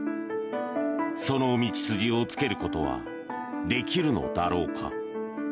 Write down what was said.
その道筋をつけることはできるのだろうか。